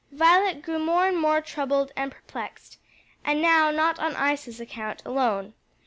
Violet grew more and more troubled and perplexed and now not on Isa's account alone.